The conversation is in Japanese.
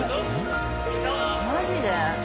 マジで？